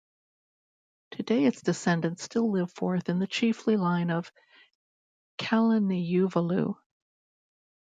Today its descendants still live forth in the chiefly line of Kalaniuvalu.